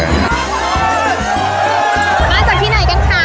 มาจากที่ไหนกันคะ